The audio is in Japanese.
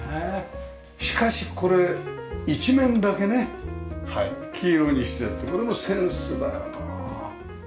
しかしこれ一面だけね黄色にしてあってこれもセンスだよな。